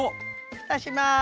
ふたします。